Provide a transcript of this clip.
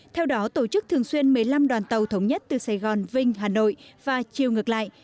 theo đó tổ chức thường xuyên một mươi năm đoàn tàu thống nhất từ sài gòn vinh hà nội và chiều ngược lại